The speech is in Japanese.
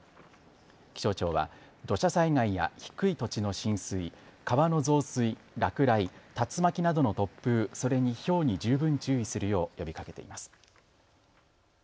気象庁は土砂災害や低い土地の浸水、川の増水、落雷、竜巻などの突風、それにひょうに十分注意するよう呼びかけています。